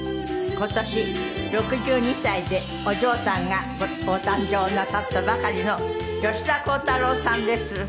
今年６２歳でお嬢さんがご誕生なさったばかりの吉田鋼太郎さんです。